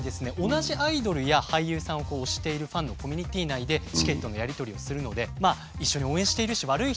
同じアイドルや俳優さんを推しているファンのコミュニティー内でチケットのやり取りをするのでまあ一緒に応援しているし悪い